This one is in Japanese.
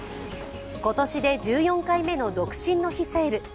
今年で１４回目の独身の日セール。